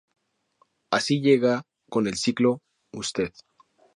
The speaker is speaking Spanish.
Así llega con el ciclo "Ud.